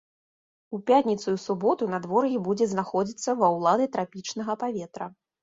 У пятніцу і суботу надвор'е будзе знаходзіцца ва ўлады трапічнага паветра.